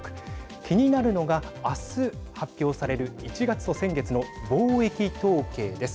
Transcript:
気になるのが明日発表される１月と先月の貿易統計です。